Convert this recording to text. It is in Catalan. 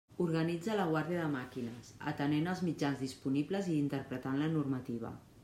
Organitza la guàrdia de màquines, atenent els mitjans disponibles i interpretant la normativa.